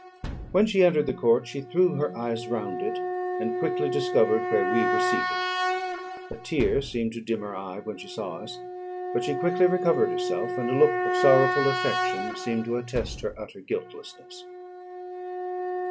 When she entered the court, she threw her eyes round it, and quickly discovered where we were seated. A tear seemed to dim her eye when she saw us; but she quickly recovered herself, and a look of sorrowful affection seemed to attest her utter guiltlessness.